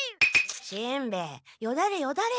しんべヱよだれよだれ。